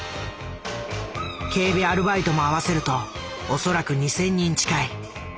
警備アルバイトも合わせるとおそらく２，０００人近い。